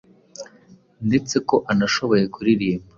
ndetse ko anashoboye kuririmba.